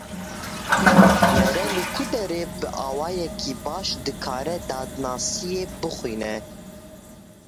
Mere li ku derê bi awayekî baş dikare dadnasiyê bixwîne?